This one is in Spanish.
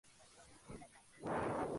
Actualmente no quedan restos de la estación.